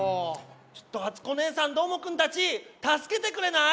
ちょっとあつこおねえさんどーもくんたちたすけてくれない？